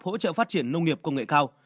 hỗ trợ phát triển nông nghiệp công nghệ cao